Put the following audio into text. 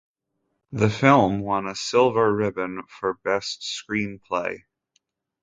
The film won a Silver Ribbon for best screenplay.